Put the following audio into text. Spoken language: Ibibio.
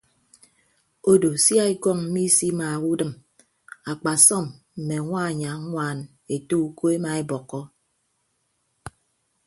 Odo sia ekọñ misimaaha udịm akpasọm mme añwanyi ñwaan ete uko emaebọkkọ.